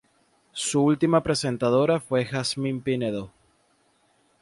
Su última presentadora fue Jazmín Pinedo.